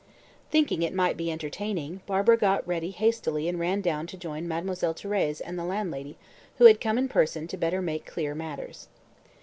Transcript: Thinking it might be entertaining, Barbara got ready hastily and ran down to join Mademoiselle Thérèse and the landlady, who had come in person "to better make clear matters."